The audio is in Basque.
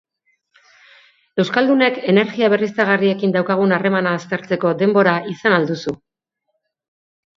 Euskaldunek energia berriztagarriekin daukagun harremana aztertzeko denbora izan al duzu?